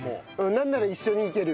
なんなら一緒にいける。